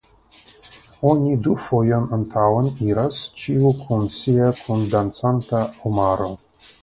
Oni du fojojn antaŭen iras, ĉiu kun sia kundancanta omaro.